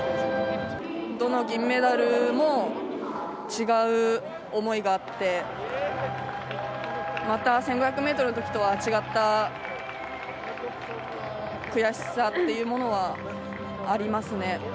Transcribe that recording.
どの銀メダルも違う思いがあって、また１５００メートルのときとは違った悔しさっていうものはありますね。